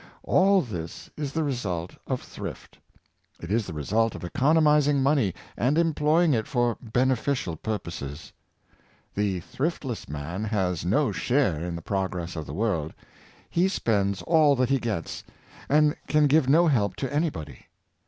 All this is the result of thrift. It is the result of economizing money, and employing it for beneficial purposes. The thrift less man has no share in the progress of the world. He spends all that he gets, and can give no help to any body.